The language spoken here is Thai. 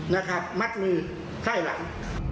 นะครับมัดมือไพร่หลัง